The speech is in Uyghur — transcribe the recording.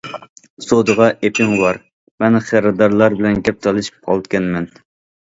سودىغا ئېپىڭ بار، مەن خېرىدارلار بىلەن گەپ تالىشىپ قالىدىكەنمەن.